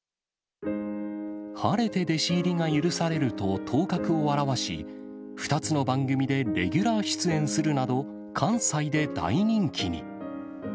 晴れて弟子入りが許されると、頭角を現し、２つの番組でレギュラー出演するなど、関西で大人気に。